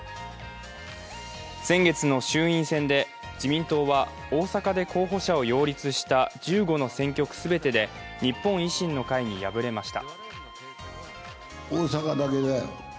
先月の衆院選で自民党は大阪で候補者を擁立した１５の選挙区全てで日本維新の会に敗れました。